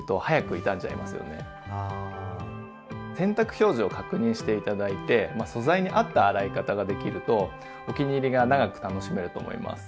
「洗濯表示」を確認して頂いて素材に合った洗い方ができるとお気に入りが長く楽しめると思います。